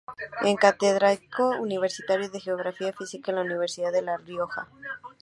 Es catedrático universitario de Geografía Física en la Universidad de La Rioja.